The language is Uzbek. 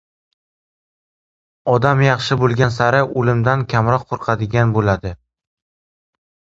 Odam yaxshi bo‘lgan sari o‘limdan kamroq qo‘rqadigan bo‘ladi.